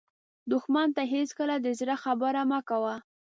دښمن ته هېڅکله د زړه خبره مه کوه